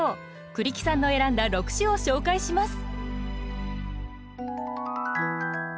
栗木さんの選んだ６首を紹介します。